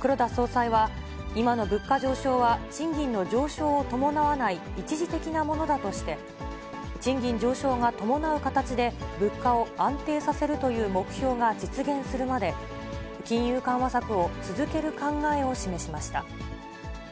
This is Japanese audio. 黒田総裁は、今の物価上昇は賃金の上昇を伴わない一時的なものだとして、賃金上昇が伴う形で物価を安定させるという目標が実現するまで、金融緩和策を続ける考えを示しました。